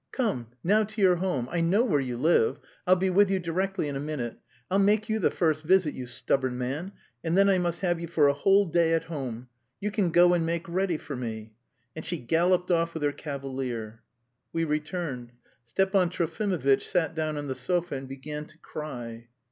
"Come, now to your home! I know where you live. I'll be with you directly, in a minute. I'll make you the first visit, you stubborn man, and then I must have you for a whole day at home. You can go and make ready for me." And she galloped off with her cavalier. We returned. Stepan Trofimovitch sat down on the sofa and began to cry.